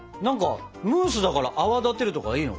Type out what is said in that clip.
ムースだから泡立てるとかいいの？